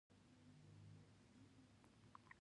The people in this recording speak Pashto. اوس د جرم او جزا په اړه خبرې کوو.